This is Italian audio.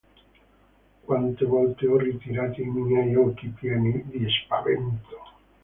Quante volte ho ritirati i miei occhi pieni di spavento!